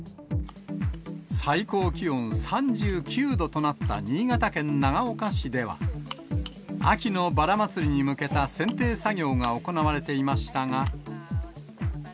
最高気温３９度となった新潟県長岡市では、秋のバラ祭りに向けたせんてい作業が行われていましたが。